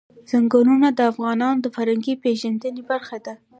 ځنګلونه د افغانانو د فرهنګي پیژندنې برخه ده.